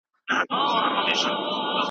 د امربالمعروف خبرې بیخي په ځای او رښتیا دي.